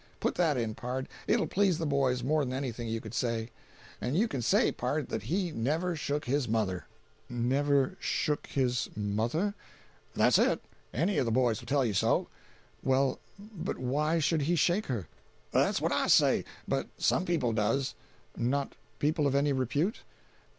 Put that in, pard—it'll please the boys more than anything you could say. And you can say, pard, that he never shook his mother." 337.jpg (60K) "Never shook his mother?" "That's it—any of the boys will tell you so." "Well, but why should he shake her?" "That's what I say—but some people does." "Not people of any repute?"